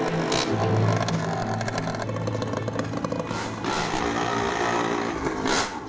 jadi kita harus mencari yang lebih baik